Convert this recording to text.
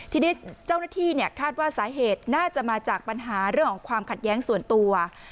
ทีนี้เจ้าหน้าที่คาดว่าสาเหตุน่าจะมาจากปัญหาเรื่องของความขัดแย้งส่วนตัว